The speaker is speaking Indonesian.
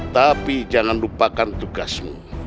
tapi jangan lupakan tugasmu